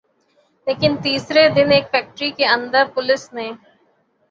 لیکن تیسرے دن ایک فیکٹری کے اندر پولیس نے